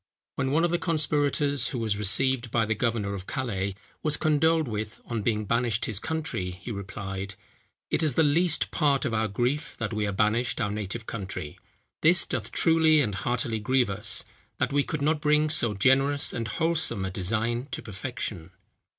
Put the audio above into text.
When one of the conspirators, who was received by the governor of Calais, was condoled with, on being banished his country, he replied, "It is the least part of our grief that we are banished our native country; this doth truly and heartily grieve us, that we could not bring so generous and wholesome a design to perfection."